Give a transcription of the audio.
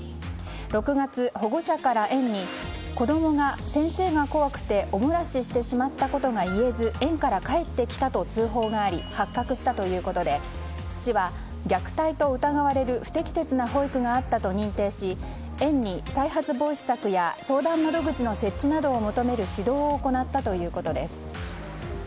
６月、保護者から園に子供が先生が怖くておもらししてしまったことが言えず園から帰ってきたと通報があり発覚したということで市は虐待と疑われる不適切な保育があったと認定し、園に再発防止策や相談窓口の設置などを求める指導を行ったということです。